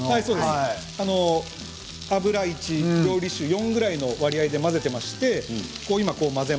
油１、料理酒４ぐらいの割合で混ぜます。